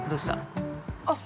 どうした？